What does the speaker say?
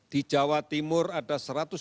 di jawa timur ada satu ratus lima puluh